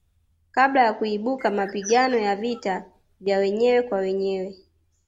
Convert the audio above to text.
Kabla ya kuibuka mapigano ya vita vya wenyewe kwa wenyewe